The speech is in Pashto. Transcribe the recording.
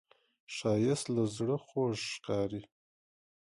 ښایست له زړه خوږ ښکاري